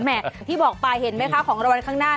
แหม่ที่บอกปลายเห็นไหมคะของราวราวรายข้างหน้า